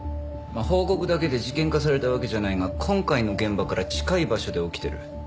まあ報告だけで事件化されたわけじゃないが今回の現場から近い場所で起きてる。